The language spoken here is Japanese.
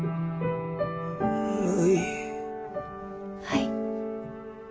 はい。